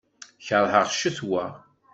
Kerheɣ ccetwa.